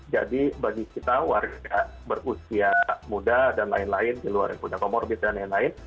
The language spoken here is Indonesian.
jadi bagi kita warga berusia muda dan lain lain di luar yang punya komorbis dan lain lain